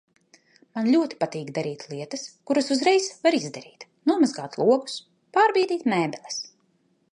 Man ļoti patīk darīt lietas, kuras uzreiz var izdarīt. Nomazgāt logus. Pārbīdīt mēbeles.